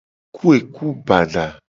Ku eku bada.